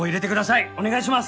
お願いします！